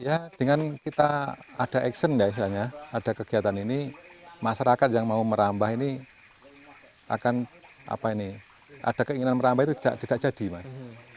ya dengan kita ada action ya istilahnya ada kegiatan ini masyarakat yang mau merambah ini akan apa ini ada keinginan merambah itu tidak jadi mas